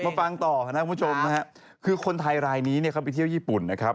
มาฟังต่อคุณผู้ชมคือคนไทยรายนี้เข้าไปเที่ยวญี่ปุ่นนะครับ